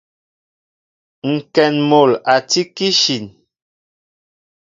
Ŋkɛn mol a tí kishin.